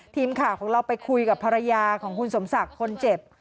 ทีมข่าวของเราไปคุยกับภรรยาของคุณสมศักดิ์คนเจ็บ